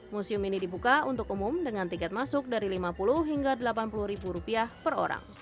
museum ini dibuka untuk umum dengan tiket masuk dari lima puluh hingga delapan puluh ribu rupiah per orang